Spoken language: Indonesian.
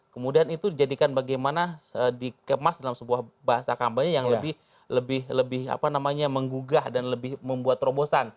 kemudian itu dijadikan bagaimana dikemas dalam sebuah bahasa kampanye yang lebih menggugah dan lebih membuat terobosan